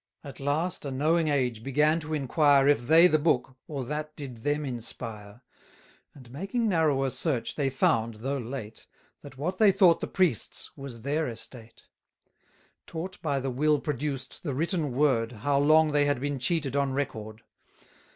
At last a knowing age began to inquire If they the Book, or that did them inspire: And making narrower search, they found, though late, 390 That what they thought the priest's, was their estate; Taught by the will produced, the written Word, How long they had been cheated on record.